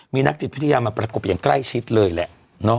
มีนักจิตวิทยามาประกบอย่างใกล้ชิดเลยแหละ